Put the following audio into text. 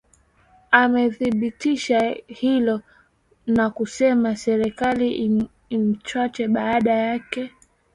amethibitisha hilo na kusema serikali imwache baba yake